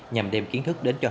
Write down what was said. nhằm đem kiến thức đến trường